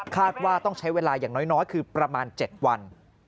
ว่าต้องใช้เวลาอย่างน้อยคือประมาณ๗วัน